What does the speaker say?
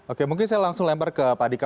oke mungkin saya langsung lempar ke pak dika